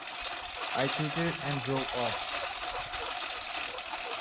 I tooted and drove off.